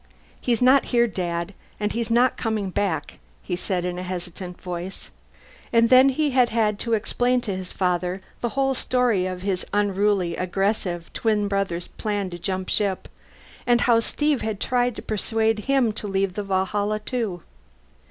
"He's not here, Dad. And he's not coming back," he said in a hesitant voice. And then he had had to explain to his father the whole story of his unruly, aggressive twin brother's plan to jump ship and how Steve had tried to persuade him to leave the Valhalla too.